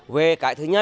về cái thứ nhất